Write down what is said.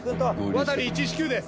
ワタリ１１９です。